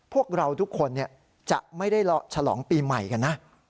พวกเราทุกคนจะไม่ได้ฉลองปีใหม่กันนะ